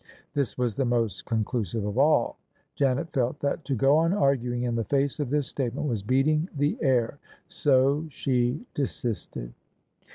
This was the most conclusive of all. Janet felt that to go on arguing in the face of this statement was beating the air; so she desisted.